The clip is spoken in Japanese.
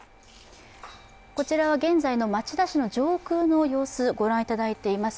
こちらは現在の町田市の上空の様子、ご覧いただいています